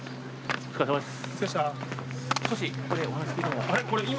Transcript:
お疲れさまです。